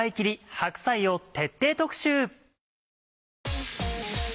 白菜を徹底特集。